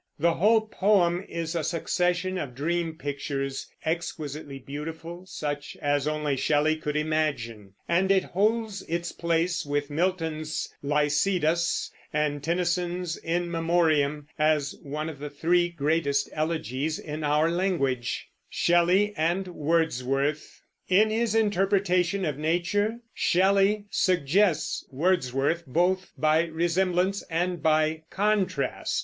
The whole poem is a succession of dream pictures, exquisitely beautiful, such as only Shelley could imagine; and it holds its place with Milton's Lycidas and Tennyson's In Memoriam as one of the three greatest elegies in our language. In his interpretation of nature Shelley suggests Wordsworth, both by resemblance and by contrast.